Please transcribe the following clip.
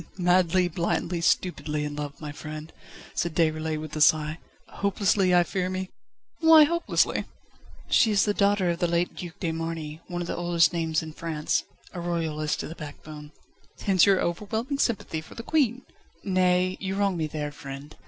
"Madly, blindly, stupidly in love, my friend," said Déroulède with a sigh. "Hopelessly, I fear me!" "Why hopelessly?" "She is the daughter of the late Duc de Marny, one of the oldest names in France; a Royalist to the backbone ..." "Hence your overwhelming sympathy for the Queen!" "Nay! you wrong me there, friend.